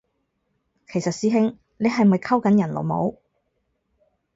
其實師兄你係咪溝緊人老母？